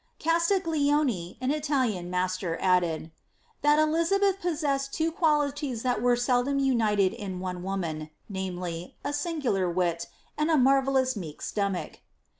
Castiglione, an Italian master, added, ^ that Elizabeth possessed two qualities that were •eldom united in one woman — namely, a singular wit, and a marvelloua meek stomach."'